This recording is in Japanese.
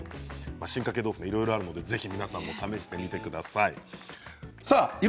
進化系豆腐、いろいろあるのでぜひ皆さんも試してみてください。